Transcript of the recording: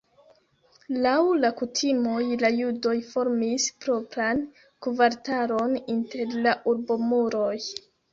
Laŭ la kutimoj la judoj formis propran kvartalon inter la urbomuroj.